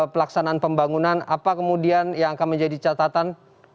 pelaksanaan pembangunan apa kemudian yang akan menjadi catatan